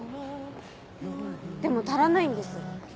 でも足らないんです。